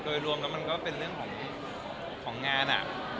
โดยรวมแล้วมันก็เป็นเรื่องของงาน